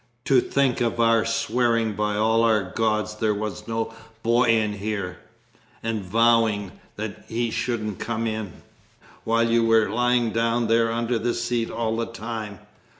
To think of our swearing by all our gods there was no boy in here, and vowing he shouldn't come in, while you were lying down there under the seat all the time!